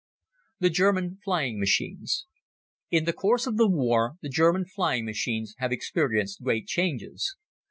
The German Flying Machines IN the course of the War the German flying machines have experienced great changes.